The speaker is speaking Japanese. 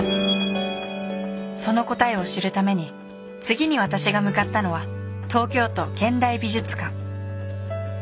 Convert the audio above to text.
その答えを知るために次に私が向かったのは東京都現代美術館。